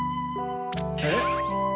えっ？